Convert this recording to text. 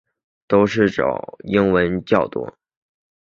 都是找英文的比较多